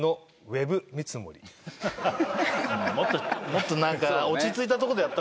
もっと何か落ち着いたとこでやった方がいいわ。